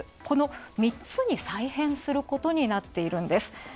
この３つに再編することになっているんです。